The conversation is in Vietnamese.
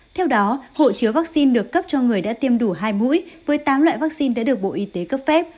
theo đó hộ chứa vaccine được cấp cho người đã tiêm đủ hai mũi với tám loại vaccine đã được bộ y tế cấp phép